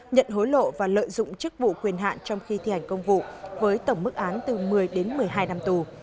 nhận hối lộ và lợi dụng chức vụ quyền hạn trong khi thi hành công vụ với tổng mức án từ một mươi đến một mươi hai năm tù